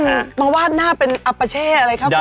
นี่มันมาวาดหน้าเป็นอัปเช่อะไรค่ะคุณ